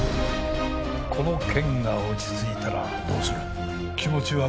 この件が落ち着いたらどうする。